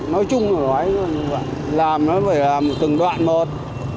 nói chung là làm nó phải là một từng đoạn một